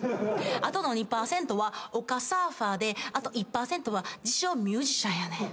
あとの２％は丘サーファーであと１％は自称ミュージシャンやねん。